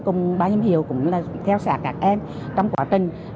cùng bác giám hiệu cũng theo sạc các em trong quá trình